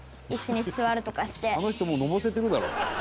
「あの人もうのぼせてるだろ。